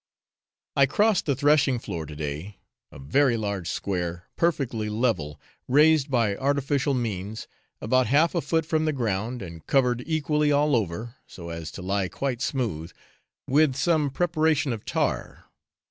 I crossed the threshing floor to day a very large square, perfectly level, raised by artificial means, about half a foot from the ground, and covered equally all over, so as to lie quite smooth, with some preparation of tar.